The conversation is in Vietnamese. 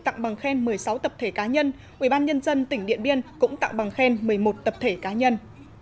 tặng bằng khen một mươi sáu tập thể cá nhân ubnd tỉnh điện biên cũng tặng bằng khen một mươi một tập thể cá nhân